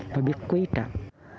và biết quý trạng